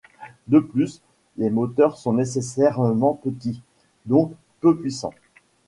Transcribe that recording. De plus, les moteurs sont nécessairement petits, donc peu puissants.